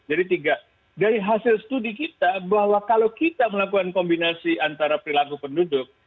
jadi tiga dari hasil studi kita bahwa kalau kita melakukan kombinasi antara perilaku penduduk